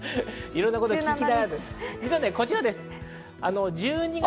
いろんなことを聞きながら、こちらです。